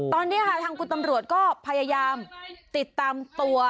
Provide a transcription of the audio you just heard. ตอนนี้ค่ะทางคุณตำรวจก็พยายามติดตามตัว